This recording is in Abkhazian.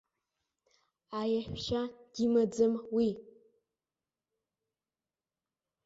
Аеҳәшьа димаӡам уи.